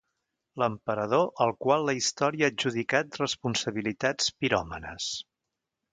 L'emperador al qual la història ha adjudicat responsabilitats piròmanes.